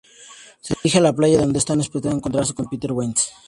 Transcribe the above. Se dirigen a la playa, donde están esperando encontrarse con Pete Wentz.